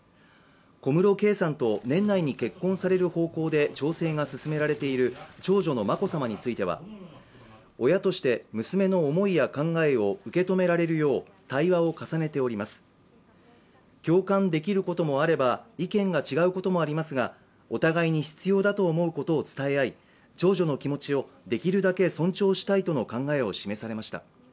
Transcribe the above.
小室圭さんと年内に結婚される方向で調整が進められている長女の眞子さまについては親として娘の思いや考えを受け止められるよう対話を重ねております、共感できることもあれば、意見が違うこともありますが、お互いに必要だと思うことを伝え合い長女の気持ちをできるだけ尊重したいとの考えを示されました。